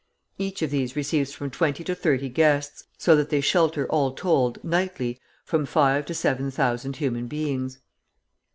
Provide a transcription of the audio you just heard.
Each of these receives from twenty to thirty guests, so that they shelter all told, nightly, from five to seven thousand human beings.